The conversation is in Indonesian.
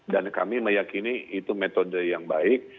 dan kami meyakini itu metode yang baik